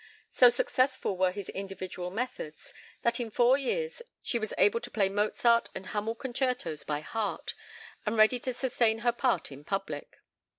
So successful were his individual methods that in four years she was able to play Mozart and Hummel concertos by heart, and ready to sustain her part in public.